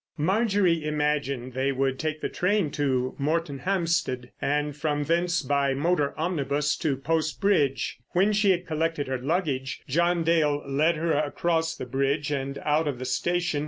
Marjorie imagined they would take the train to Moretonhampstead, and from thence by motor omnibus to Post Bridge. When she had collected her luggage, John Dale led her across the bridge and out of the station.